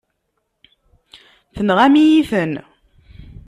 Tenɣam-iyi-ten.